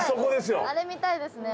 あれ見たいですね